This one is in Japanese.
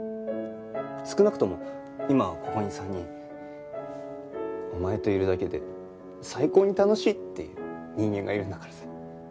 少なくとも今ここに３人お前といるだけで最高に楽しいっていう人間がいるんだからさ。